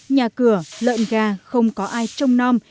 nhà cửa lợn gà không có ai trong non